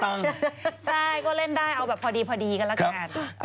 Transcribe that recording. สวัสดีค่ะ